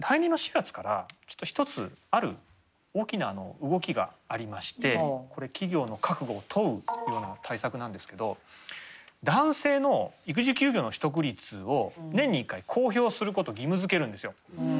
今多分上にいるそれがこれ企業の覚悟を問うような対策なんですけど男性の育児休業の取得率を年に１回公表することを義務づけるんですよ。